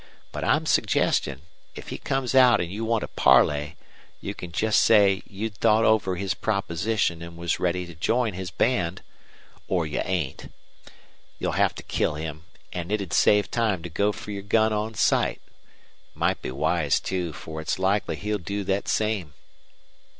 But I'm suggestin', if he comes out an' you want to parley, you can jest say you'd thought over his proposition an' was ready to join his band, or you ain't. You'll have to kill him, an' it 'd save time to go fer your gun on sight. Might be wise, too, fer it's likely he'll do thet same."